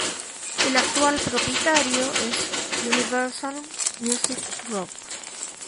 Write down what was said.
El actual propietario es Universal Music Group.